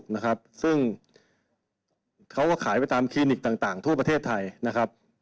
พวกเขาก็ขายไปตามคลินิกทั่วประเทศไทย